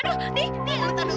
kok gak dateng dateng sih